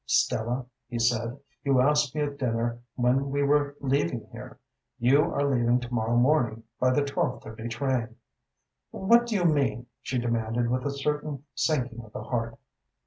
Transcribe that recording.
"Stella," he said, "you asked me at dinner when we were leaving here. You are leaving to morrow morning by the twelve thirty train." "What do you mean?" she demanded, with a sudden sinking of the heart.